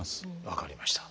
分かりました。